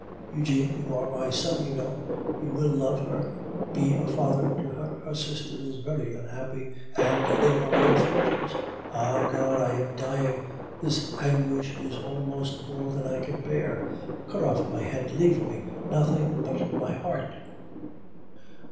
Eugene, you are my son, you know. You will love her; be a father to her! Her sister is very unhappy. And there are their fortunes! Ah, God! I am dying, this anguish is almost more than I can bear! Cut off my head; leave me nothing but my heart."